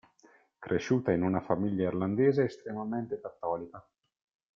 Cresciuta in una famiglia irlandese estremamente cattolica.